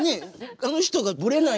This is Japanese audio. あの人がぶれないので。